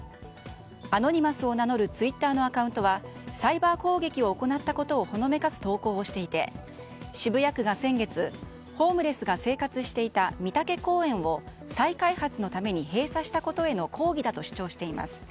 アノニマスを名乗るツイッターのアカウントはサイバー攻撃を行ったことをほのめかす投稿をしていて渋谷区が先月ホームレスが生活していた美竹公園を再開発のために閉鎖したことへの抗議だと主張しています。